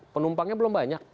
penumpangnya belum banyak